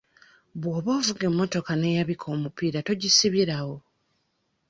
Bw'oba ovuga emmotoka n'eyabika omupiira togisibirawo.